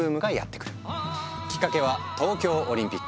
きっかけは東京オリンピック。